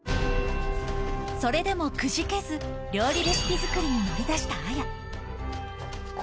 それでもくじけず、料理レシピ作りに乗り出した綾。